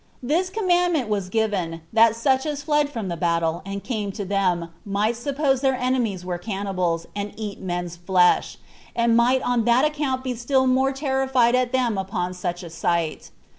This commandment was given, that such as fled from the battle, and came to them, might suppose their enemies were cannibals, and eat men's flesh, and might on that account be still more terrified at them upon such a sight.